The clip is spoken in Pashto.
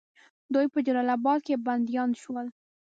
دوی په جلال آباد کې بندیان شول.